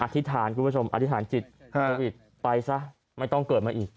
ธิษฐานคุณผู้ชมอธิษฐานจิตโควิดไปซะไม่ต้องเกิดมาอีก